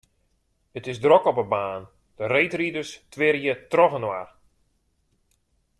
It is drok op 'e baan, de reedriders twirje trochinoar.